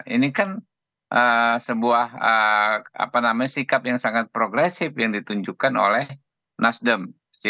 ini kan sebuah sikap yang sangat progresif yang ditunjukkan oleh nasdem